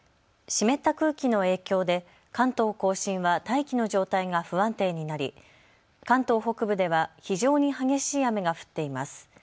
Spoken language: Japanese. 湿った空気の影響で関東甲信は大気の状態が不安定になり関東北部では非常に激しい雨が降っています。